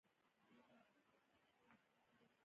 نفت د افغانستان د صنعت لپاره مواد برابروي.